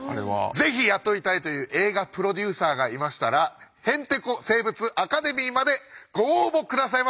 是非雇いたいという映画プロデューサーがいましたら「へんてこ生物アカデミー」までご応募下さいませ。